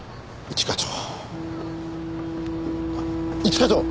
一課長！